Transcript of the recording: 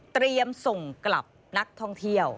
เตรียมส่งกลับนักท่องเที่ยว